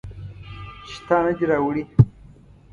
چې تا نه دي راوړي